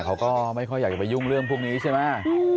เขาก็ไม่ค่อยอยากจะไปยุ่งเรื่องพวกนี้ใช่ไหม